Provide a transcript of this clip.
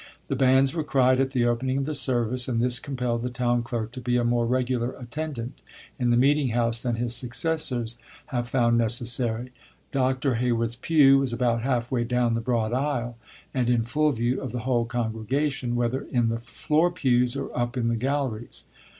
The banns were cried at the opening of the service, and this compelled the town clerk to be a more regular attendant in the meeting house than his successors have found necessary. Dr. Heywood's pew was about half way down the broad aisle, and in full view of the whole congregation, whether in the "floor pews" or "up in the galleries."